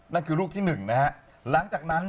นั่นคือลูกที่๑นะครับหลังจากนั้น